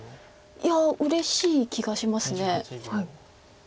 いやうれしい気がします。